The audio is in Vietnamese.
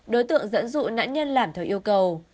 đối tượng dẫn dụ nạn nhân làm theo yêu cầu